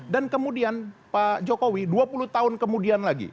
dan kemudian pak jokowi dua puluh tahun kemudian lagi